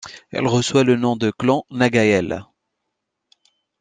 Elle reçoit le nom de Clan na Gael.